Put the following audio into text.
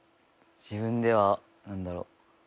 自分では何だろう。